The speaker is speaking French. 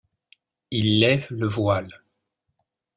Il lève le voile.